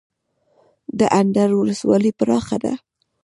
د اندړ ولسوالۍ پراخه ده